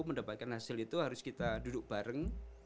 mendapatkan hasil itu harus kita duduk bareng